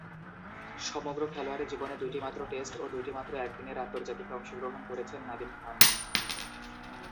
সমগ্র খেলোয়াড়ী জীবনে দুইটিমাত্র টেস্ট ও দুইটিমাত্র একদিনের আন্তর্জাতিকে অংশগ্রহণ করেছেন নাদিম খান।